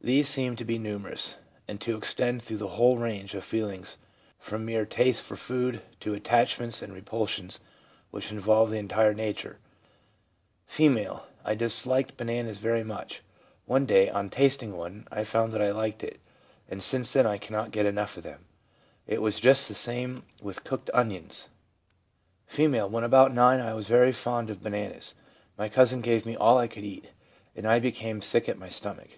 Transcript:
These seem to be numerous, and to extend through the whole range of feelings from mere tastes for foods to attachments and repulsions which involve the entire nature. F. ■ I disliked bananas very much. One day, on tasting one, I found that I liked it, and since then I cannot get enough of them. It was just the same with cooked onions/ F. ' When about 9 I was very fond of bananas. My cousin gave me all I could eat, and I became sick at my stomach.